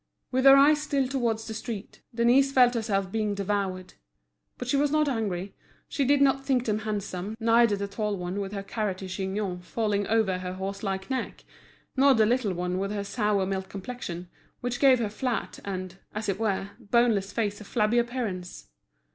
With her eyes still towards the street, Denise felt herself being devoured. But she was not angry; she did not think them handsome, neither the tall one with her carroty chignon falling over her horse like neck, nor the little one with her sour milk complexion, which gave her flat and, as it were, boneless face a flabby appearance.